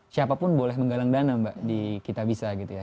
siapapun boleh menggalang dana mbak di kitabisa gitu ya